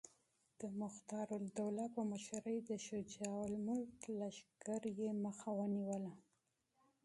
د مختارالدوله په مشرۍ د شجاع الملک لښکر یې مخه ونیوله.